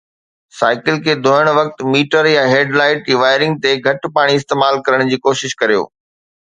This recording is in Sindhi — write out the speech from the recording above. سائيڪل کي ڌوئڻ وقت، ميٽر يا هيڊ لائيٽ جي وائرنگ تي گهٽ پاڻي استعمال ڪرڻ جي ڪوشش ڪريو